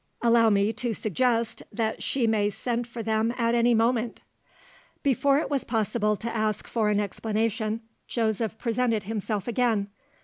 "Allow me to suggest that she may send for them at any moment." Before it was possible to ask for an explanation, Joseph presented himself again.